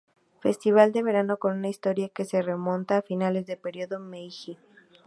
Festival de verano con una historia que se remonta a finales del período Meiji.